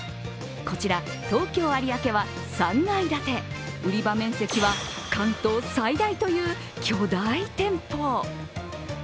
こちら東京有明は３階建て、売り場面積は関東最大という巨大店舗。